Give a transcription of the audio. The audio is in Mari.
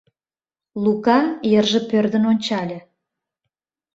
Лука йырже пӧрдын ончале.